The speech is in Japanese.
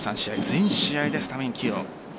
全試合でスタメン起用。